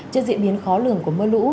trên diễn biến khó lường của mưa lũ